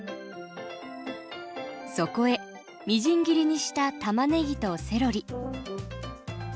そこへみじん切りにしたたまねぎとセロリ。